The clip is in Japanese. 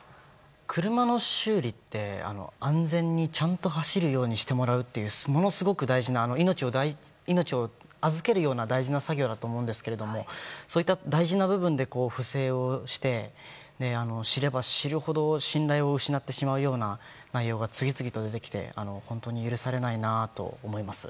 車の修理って、安全にちゃんと走るようにしてもらうっていうものすごく大事な命を預けるような大事な作業だと思うんですけどそういった大事な部分で不正をして知れば知るほど信頼を失ってしまうような内容が次々と出てきて本当に許されないなと思います。